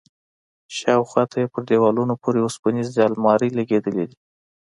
شاوخوا ته په دېوالونو پورې وسپنيزې المارۍ لگېدلي دي.